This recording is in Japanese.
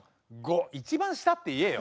一番下って言えよ。